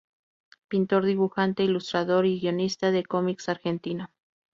Pintor, dibujante, ilustrador y guionista de cómics argentino.